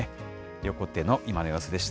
横手の今の様子でした。